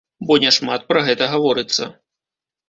Бо няшмат пра гэта гаворыцца.